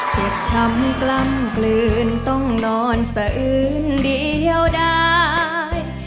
เจ็บช้ำกล้ำกลืนต้องนอนสะอืนเดียวได้